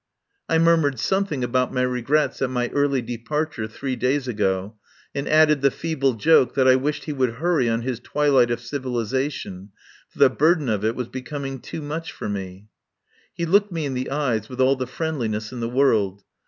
I murmured something about my regrets at my early departure three days ago, and added the feeble joke that I wished he would hurry on his Twilight of Civilisation, for the burden of it was becoming too much for me. He looked me in the eyes with all the friendliness in the world.